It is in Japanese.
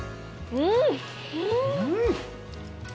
うん！